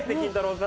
さん。